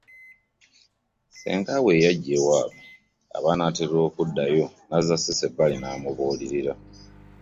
Ssengaawe eyajja ewaabwe aba anaatera okuddayo n'azza Cissy ebbali n'amubuuulira.